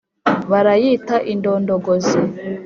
Barayita indondogozi!